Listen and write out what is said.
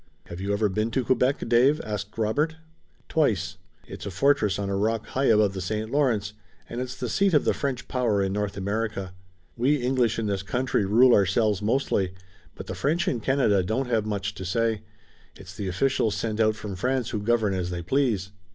"Have you ever been to Quebec, Dave?" asked Robert. "Twice. It's a fortress on a rock high above the St. Lawrence, and it's the seat of the French power in North America. We English in this country rule our selves mostly, but the French in Canada don't have much to say. It's the officials sent out from France who govern as they please."